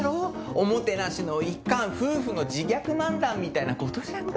おもてなしの一環夫婦の自虐漫談みたいなことじゃんか。